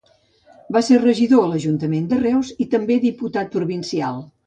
Va ser regidor a l'ajuntament de Reus, i també diputat provincial.